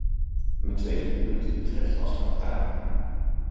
Mijn tweede punt betreft aspartaam.